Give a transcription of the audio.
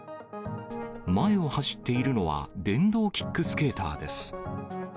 前を走っているのは電動キックスケーターです。